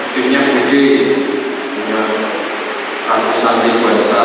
punya rangkusan di luar negara